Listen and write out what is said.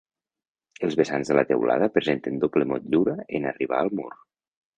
Els vessants de la teulada presenten doble motllura en arribar al mur.